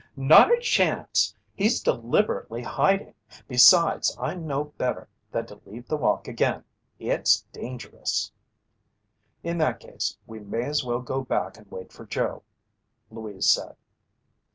"Not a chance! He's deliberately hiding. Besides, I know better than to leave the walk again. It's dangerous!" "In that case we may as well go back and wait for Joe," Louise said.